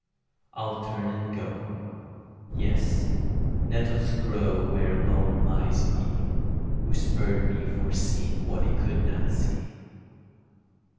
I'll turn and go; Yes, nettles grow where lone lies he, Who spurned me for seeing what he could not see.